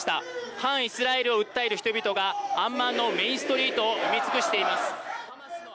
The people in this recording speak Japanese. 反イスラエルを訴える人々がアンマンのメインストリートを埋め尽くしています。